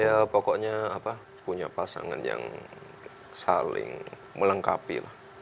ya pokoknya punya pasangan yang saling melengkapi lah